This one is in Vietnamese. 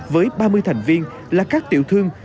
với ba mươi thành viên là các tiểu thương